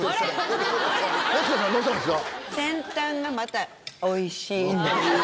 保科さんどうしたんですか？